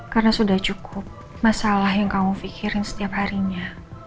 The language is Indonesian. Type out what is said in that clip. karena sudah cukup masalah yang kamu pikirin setiap harinya